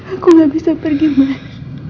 aku gak bisa pergi pulang